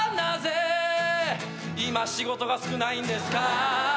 「今仕事が少ないんですか？」